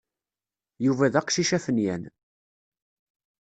Yuba d aqcic afenyan.